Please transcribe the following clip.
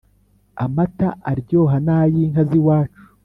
amata aryoha nayinka z’iwacu